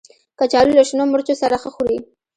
کچالو له شنو مرچو سره ښه خوري